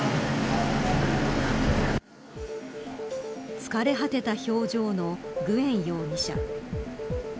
疲れ果てたような表情のグエン容疑者。